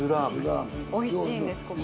おいしいんですここ。